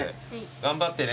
頑張ってね